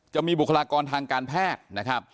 จะมีบุคลากรทางการแพทย์